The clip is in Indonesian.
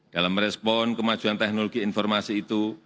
dalam respon kemajuan teknologi informasi itu